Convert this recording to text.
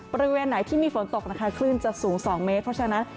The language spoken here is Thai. บริเวณไหนที่มีฝนตกนะคะคลื่นจะสูง๒เมตรเพราะฉะนั้น